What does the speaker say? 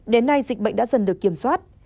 đến nay dịch bệnh đã dần được kiểm soát